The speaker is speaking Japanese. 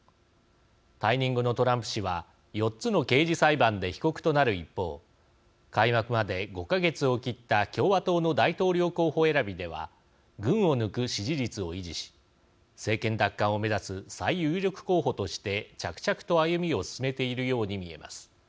退任後のトランプ氏は４つの刑事裁判で被告となる一方開幕まで５か月を切った共和党の大統領候補選びでは群を抜く支持率を維持し政権奪還を目指す最有力候補として着々と、歩みを進めているように見えます。